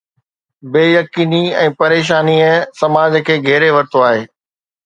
بي يقيني ۽ پريشانيءَ سماج کي گهيري ورتو آهي.